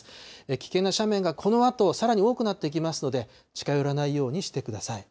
危険な斜面がこのあとさらに多くなっていきますので、近寄らないようにしてください。